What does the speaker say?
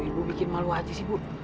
aduh bu bikin malu aja sih bu